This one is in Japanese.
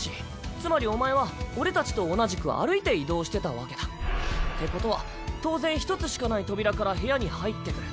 つまりお前は俺たちと同じく歩いて移動してたわけだ。ってことは当然１つしかない扉から部屋に入ってくる。